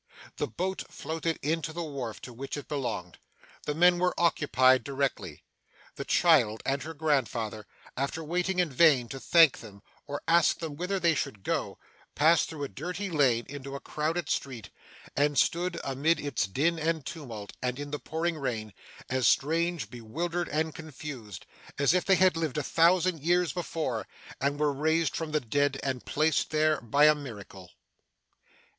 The boat floated into the wharf to which it belonged. The men were occupied directly. The child and her grandfather, after waiting in vain to thank them or ask them whither they should go, passed through a dirty lane into a crowded street, and stood, amid its din and tumult, and in the pouring rain, as strange, bewildered, and confused, as if they had lived a thousand years before, and were raised from the dead and placed there by a miracle.